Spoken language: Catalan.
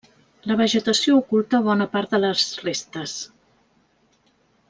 La vegetació oculta bona part de les restes.